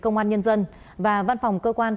công an nhân dân và văn phòng cơ quan